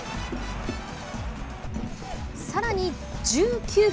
さらに、１９分。